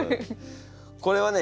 これはね